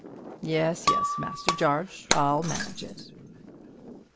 "Yes, yes, Master Jarge; I'll manage it."